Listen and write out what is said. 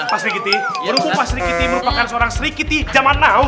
mas giti merupakan seorang sri giti zaman now